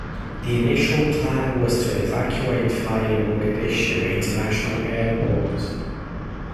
The initial plan was to evacuate via Mogadishu International Airport.